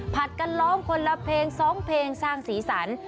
ผัดกันร้องคนละเพลงสองเพลงสร้างศรีสรรค์